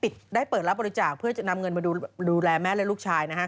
ได้เปิดรับบริจาคเพื่อจะนำเงินมาดูแลแม่และลูกชายนะฮะ